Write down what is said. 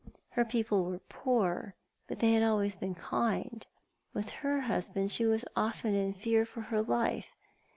Her people were poor, but they had always been kind. With her husband she was often in fear of her life.